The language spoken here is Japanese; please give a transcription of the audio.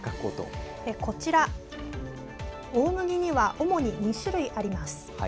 こちら大麦には主に２種類あります。